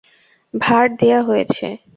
ভার দেয়া হয়েছে?